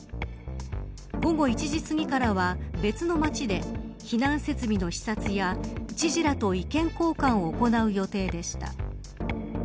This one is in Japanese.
午後１時すぎからは、別の町で避難設備の視察や知事らと意見交換を行う予定でした。